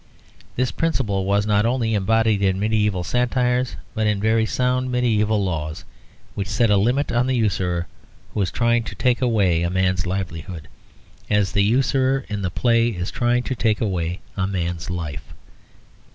This principle was not only embodied in medieval satires but in very sound medieval laws, which set a limit on the usurer who was trying to take away a man's livelihood, as the usurer in the play is trying to take away a man's life.